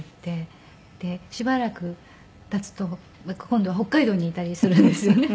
でしばらく経つと今度は北海道にいたりするんですよね。